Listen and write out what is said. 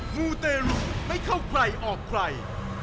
มูเตรุไม่เข้าใครออกใคร